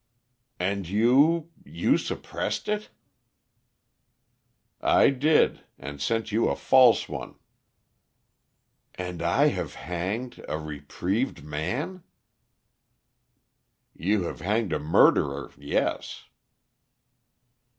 "And you you suppressed it?" "I did and sent you a false one." "And I have hanged a reprieved man?" "You have hanged a murderer yes."